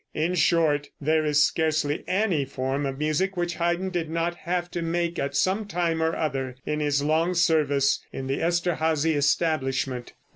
In short, there is scarcely any form of music which Haydn did not have to make at some time or other in his long service in the Esterhazy establishment.